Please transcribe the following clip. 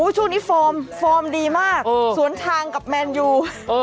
ช่วงนี้ฟอร์มฟอร์มดีมากสวนทางกับแมนยู